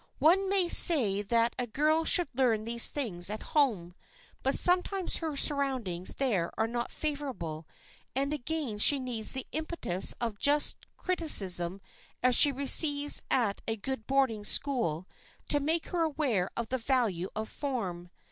One may say that a girl should learn these things at home, but sometimes her surroundings there are not favorable and again she needs the impetus of just such criticism as she receives at a good boarding school to make her aware of the value of form.